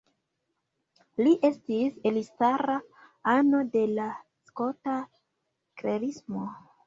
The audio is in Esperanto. Li estis elstara ano de la Skota Klerismo.